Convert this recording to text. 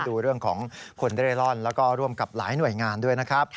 ดูเรื่องของคนเร่ร่อนแล้วก็ร่วมกับหลายหน่วยงานด้วยนะครับ